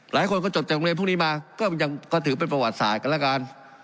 หลายคนก็จบจากโรงเรียนพวกนี้มาก็ยังก็ถือเป็นประวัติศาสตร์กันแล้วกัน